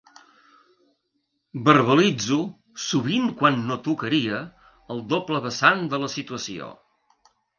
Verbalitzo, sovint quan no tocaria, el doble vessant de la situació.